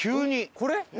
これ？